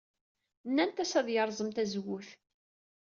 Nnant-as ad yerẓem tazewwut.